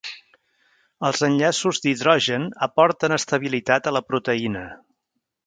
Els enllaços d'hidrogen aporten estabilitat a la proteïna.